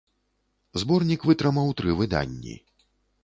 Зборнік вытрымаў тры выданні.